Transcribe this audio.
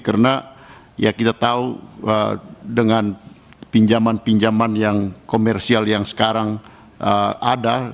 karena ya kita tahu dengan pinjaman pinjaman yang komersial yang sekarang ada